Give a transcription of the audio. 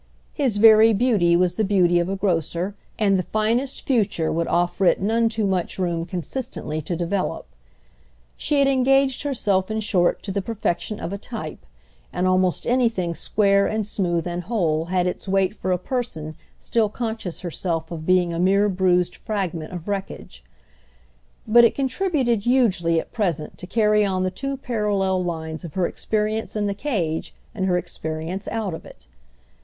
His very beauty was the beauty of a grocer, and the finest future would offer it none too much room consistently to develop. She had engaged herself in short to the perfection of a type, and almost anything square and smooth and whole had its weight for a person still conscious herself of being a mere bruised fragment of wreckage. But it contributed hugely at present to carry on the two parallel lines of her experience in the cage and her experience out of it.